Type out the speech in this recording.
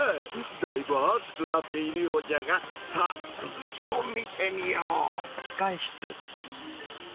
だいぶ熱くなっているようじゃがさあ続きを見てみよう！